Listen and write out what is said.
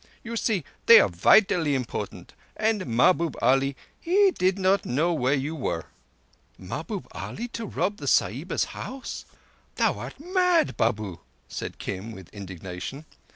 You see, they are vitally important, and Mahbub Ali he did not know where you were." "Mahbub Ali to rob the Sahiba's house? Thou art mad, Babu," said Kim with indignation.